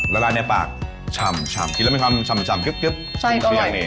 ละลายในปากชำชำกินแล้วมีความชำชำเกือบเกือบใช่ก็อร่อย